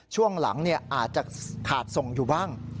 ช่วงหลังอาจจะขาดส่งอยู่บ้าง